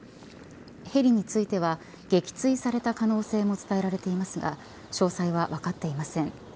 ヘリについては撃墜された可能性も伝えられていますが詳細は分かっていません。